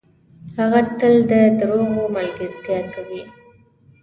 هغه تل ده دروغو ملګرتیا کوي .